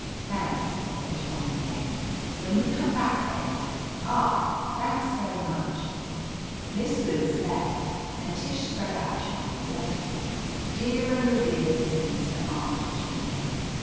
"Thanks," said Tommy again. "When you come back, then. Ah — ^thanks, very much." Miss Lewis left and Tish spread out Char lie's letter. "Dear and revered spinster aunt," she began.